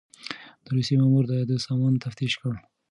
د روسيې مامور د ده سامان تفتيش کړ.